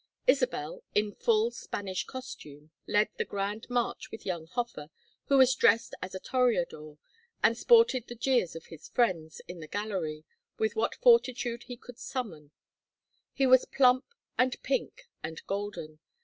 Isabel, in full Spanish costume, led the grand march with young Hofer, who was dressed as a toreador, and supported the jeers of his friends in the gallery with what fortitude he could summon: he was plump and pink and golden.